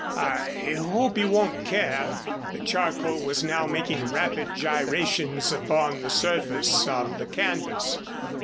I hope you won't care." The charcoal was now making rapid gyrations upon the surface of the canvas.